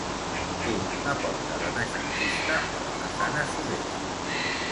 Té una porta renaixentista a la façana sud-est.